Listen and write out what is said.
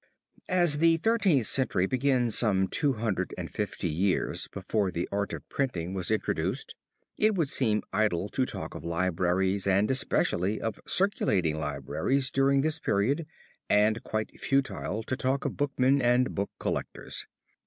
As the Thirteenth Century begins some 250 years before the art of printing was introduced, it would seem idle to talk of libraries and especially of circulating libraries during this period and quite as futile to talk of bookmen and book collectors.